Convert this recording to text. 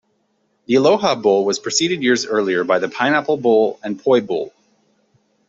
The Aloha Bowl was preceded years earlier by the Pineapple Bowl and Poi Bowl.